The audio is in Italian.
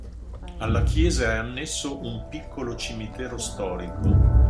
Alla chiesa è annesso un piccolo cimitero storico.